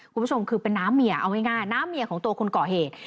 คุณผู้ชมคือเป็นน้าเมียเอาง่ายน้าเมียของตัวคนก่อเหตุ